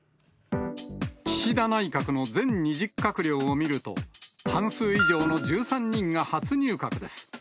岸田内閣の全２０閣僚を見ると、半数以上の１３人が初入閣です。